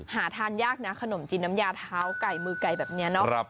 หาทานยากนะขนมจีนน้ำยาเท้าไก่มือไก่แบบนี้เนาะ